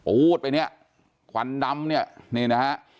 ไปเนี่ยควันดำเนี่ยนี่นะฮะ